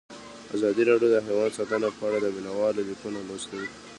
ازادي راډیو د حیوان ساتنه په اړه د مینه والو لیکونه لوستي.